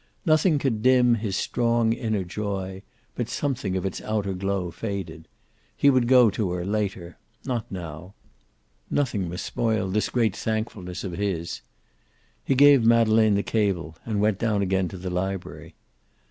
Nothing could dim his strong inner joy, but something of its outer glow faded. He would go to her, later. Not now. Nothing must spoil this great thankfulness of his. He gave Madeleine the cable, and went down again to the library.